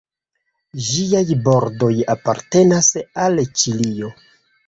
Ĝiaj bordoj apartenas al Ĉilio.